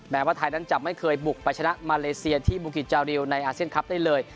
ว่าไทยนั้นจะไม่เคยบุกไปชนะมาเลเซียที่บุกิจจาริวในอาเซียนคลับได้เลย